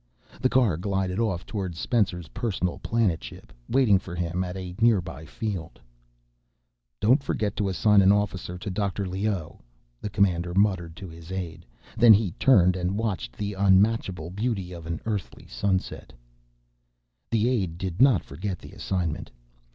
The car glided off toward Spencer's personal planetship, waiting for him at a nearby field. "Don't forget to assign an officer to Dr. Leoh," the commander muttered to his aide. Then he turned and watched the unmatchable beauty of an Earthly sunset. The aide did not forget the assignment.